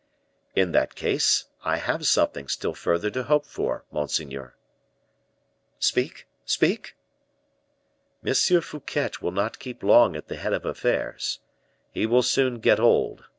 "In that case, I have something still further to hope for, monseigneur." "Speak! speak!" "M. Fouquet will not keep long at the head of affairs, he will soon get old.